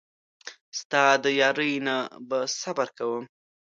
ستا د یارۍ نه به صبر کوم.